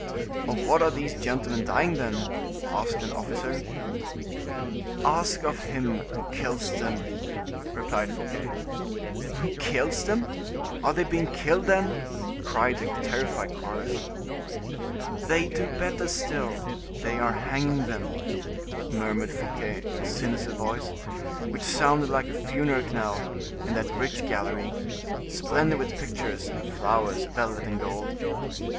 "Of what are these gentlemen dying, then?" asked an officer. "Ask of him who kills them," replied Fouquet. "Who kills them? Are they being killed, then?" cried the terrified chorus. "They do better still; they are hanging them," murmured Fouquet, in a sinister voice, which sounded like a funeral knell in that rich gallery, splendid with pictures, flowers, velvet, and gold.